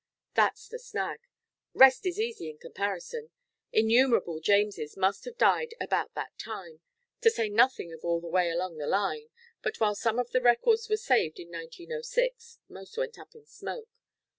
"That's the snag. Rest is easy in comparison. Innumerable Jameses must have died about that time, to say nothing of all the way along the line, but while some of the records were saved in 1906, most went up in smoke.